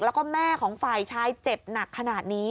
แล้วก็แม่ของฝ่ายชายเจ็บหนักขนาดนี้